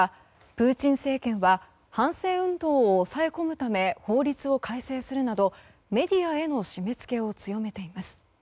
プーチン政権は反戦運動を抑え込むため法律を改正するなどメディアへの締め付けを強めています。